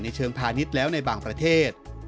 เชิงพาณิชย์แล้วในบางประเทศ